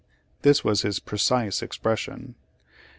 (This was his precise expression.)